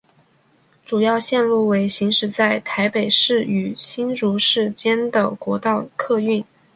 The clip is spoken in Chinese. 主要路线为行驶在台北市与新竹市间的国道客运。